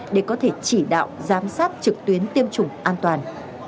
để có thể chỉ đạo giám sát trực tuyến tiêm chủng an toàn